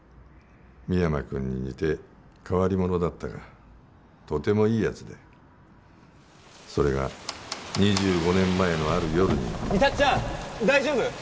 深山君に似て変わり者だったがとてもいいやつでそれが２５年前のある夜に美里ちゃん大丈夫？